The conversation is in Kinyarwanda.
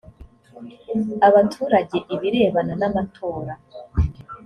abaturage ibirebana n amatora